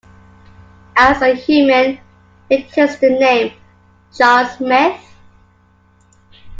As a human, he takes the name "John Smith".